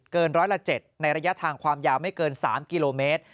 ร้อยละ๗ในระยะทางความยาวไม่เกิน๓กิโลเมตร